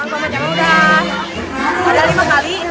perang tomat yang sudah ada lima kali